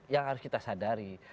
yang harus kita sadari